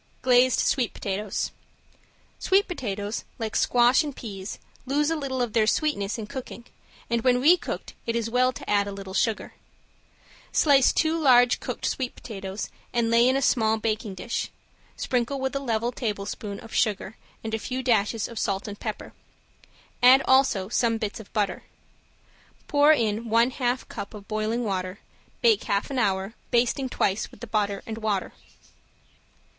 ~GLAZED SWEET POTATOES~ Sweet potatoes, like squash and peas, lose a little of their sweetness in cooking, and when recooked it is well to add a little sugar. Slice two large cooked sweet potatoes and lay in a small baking dish, sprinkle with a level tablespoon of sugar and a few dashes of salt and pepper, add also some bits of butter. Pour in one half cup of boiling water, bake half an hour, basting twice with the butter and water.